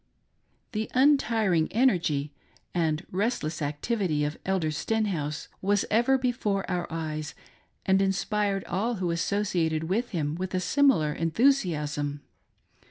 The untiring 'energy and restless activity of Elder' Sten house was ever before our eyes, and inspired all who associ ated with him with a similar enthusiasm.